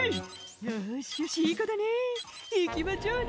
「よしよしいい子だね行きまちょうね」